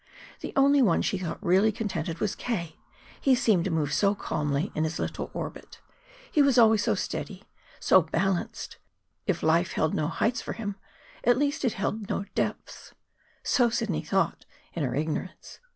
The only one she thought really contented was K. He seemed to move so calmly in his little orbit. He was always so steady, so balanced. If life held no heights for him, at least it held no depths. So Sidney thought, in her ignorance!